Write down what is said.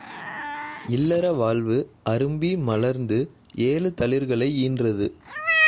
இல்லற வாழ்வு அரும்பி மலர்ந்து ஏழு தளிர்களை ஈன்றது.